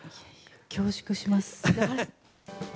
恐縮します。